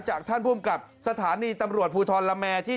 จากท่านภูมิกับสถานีตำรวจภูทรละแมที่